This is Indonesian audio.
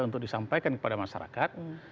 untuk disampaikan kepada masyarakat